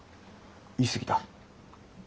言い過ぎた。